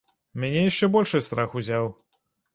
Мяне яшчэ большы страх узяў.